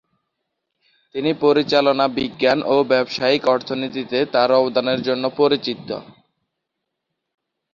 তিনি পরিচালনা বিজ্ঞান ও ব্যবসায়িক অর্থনীতিতে তাঁর অবদানের জন্য পরিচিত।